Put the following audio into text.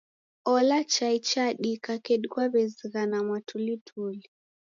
Ola chai chadika kedi kwaw'ezighana mwatulituli.